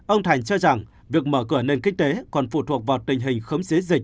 ông thành cho rằng việc mở cửa nền kinh tế còn phụ thuộc vào tình hình khống chế dịch